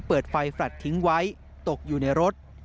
เปิดไฟแฟลตทิ้งไว้ตกอยู่ในรถ